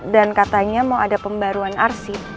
dan katanya mau ada pembaruan arsip